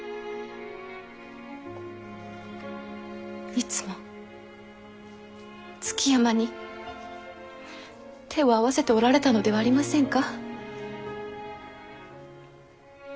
いつも築山に手を合わせておられたのではありませんか？